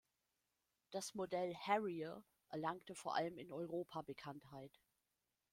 Das Modell "Harrier" erlangte vor allem in Europa Bekanntheit.